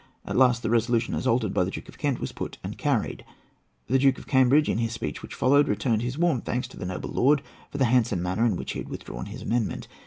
At last the resolution, as altered by the Duke of Kent, was put and carried. The Duke of Cambridge, in his speech, which followed, returned his warm thanks to the noble lord for the handsome manner in which he had withdrawn his amendment.